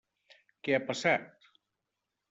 Què ha passat?